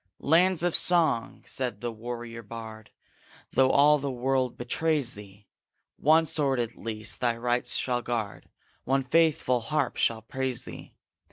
'Land of song!' said the warrior bard, 'Though all the world betrays thee, One sword, at least, thy rights shall guard, One faithful harp shall praise thee!'